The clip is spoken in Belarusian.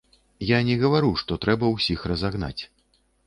Я не гавару, што трэба ўсіх разагнаць.